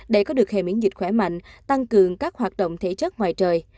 để có được hệ miễn dịch khỏe mạnh tăng cường các hoạt động thể chất ngoài trời